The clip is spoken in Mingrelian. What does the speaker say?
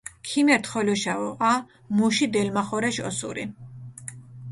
ქიმერთ ხოლოშავო, ა, მუში დელმახორეშ ოსური.